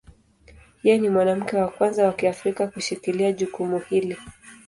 Yeye ni mwanamke wa kwanza wa Kiafrika kushikilia jukumu hili.